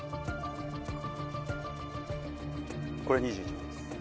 これ２１枚です。